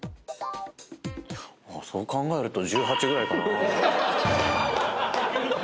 そう考えると１８ぐらいかなぁ。